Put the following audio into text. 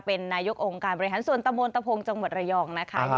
เป็นนายกองค์การบริหารส่วนตะมนตะพงจังหวัดระยองนะคะ